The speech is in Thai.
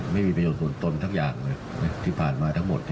ไม่มีประโยชน์ส่วนตนทั้งอย่างเลยที่ผ่านมาทั้งหมด